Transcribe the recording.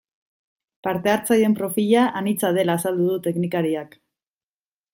Parte hartzaileen profila anitza dela azaldu du teknikariak.